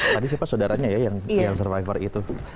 tadi siapa saudaranya ya yang survivor itu